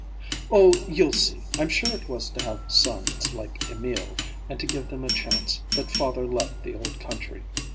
"Oh, you'll see! I'm sure it was to have sons like Emil, and to give them a chance, that father left the old country.